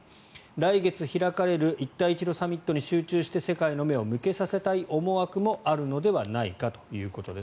来月開かれる一帯一路サミットに集中して世界の目を向けさせたい思惑もあるのではないかということです。